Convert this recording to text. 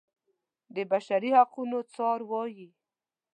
د بشري حقونو څار وايي.